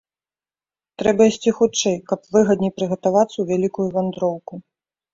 Трэба ісці хутчэй, каб выгадней прыгатавацца ў вялікую вандроўку!